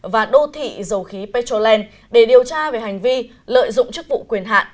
và đô thị dầu khí petrolen để điều tra về hành vi lợi dụng chức vụ quyền hạn